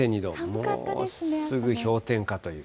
もうすぐ氷点下という。